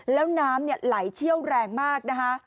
แล้วน้ำไหลเชี่ยวแรงมากนะคะ